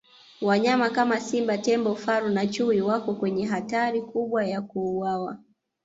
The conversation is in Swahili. wanyama kama simba tembo faru na chui wako kwenye hatari kubwa ya kuuwawa